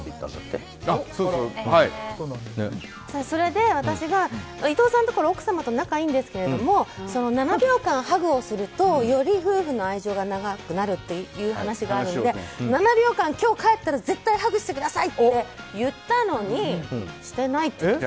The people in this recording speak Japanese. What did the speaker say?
それで、私が伊藤さんところの奥様と仲良いんですけど７秒間ハグをするとより夫婦の愛情が長くなるという話があるので７秒間、今日帰ったら絶対ハグしてくださいって言ったのにしてないって。